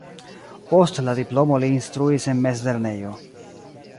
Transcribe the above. Post la diplomo li instruis en mezlernejo.